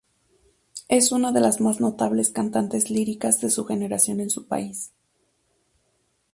Es una de las más notables cantantes líricas de su generación en su país.